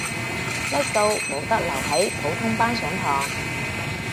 叻到冇得留喺普通班上堂